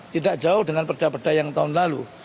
tidak jauh dengan perda perda yang tahun lalu